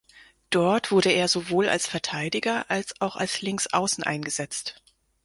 Dort wurde er sowohl als Verteidiger, als auch als Linksaußen eingesetzt.